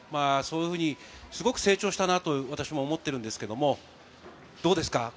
そういうふうにすごく成長したなと思っているんですけれど、どうですか？